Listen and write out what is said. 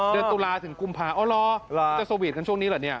ตุลาถึงกุมภาอ๋อเหรอจะสวีทกันช่วงนี้เหรอเนี่ย